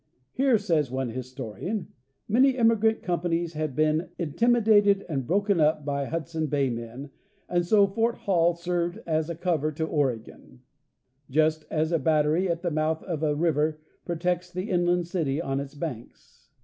'' Here," says one historian, 'many immigrant companies had been intimi dated and broken up by Hudson Bay men, and so Fort Hall served as a cover to Oregon, just as a battery at the mouth ofa river protects the inland city on its banks."